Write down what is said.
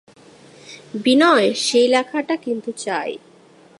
বিনয়, সেই লেখাটা কিন্তু চাই।